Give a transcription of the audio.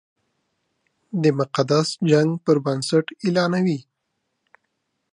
د مقدس جنګ پر بنسټ اعلانوي.